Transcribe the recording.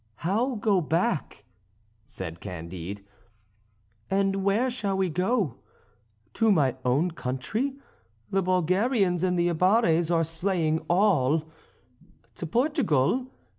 "How go back?" said Candide, "and where shall we go? to my own country? The Bulgarians and the Abares are slaying all; to Portugal?